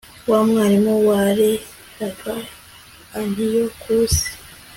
wa mwarabu wareraga antiyokusi